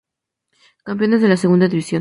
Campeones de la Segunda División.